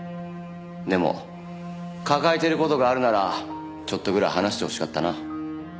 でも抱えてる事があるならちょっとぐらい話してほしかったな。